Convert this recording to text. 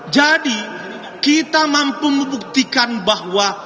jadi kita mampu membuktikan bahwa